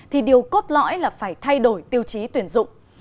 thì điều cốt lõi là phải thay đổi tiêu chí tuyển dụng